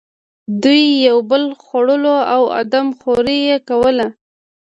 دوی یو بل خوړل او آدم خوري یې کوله.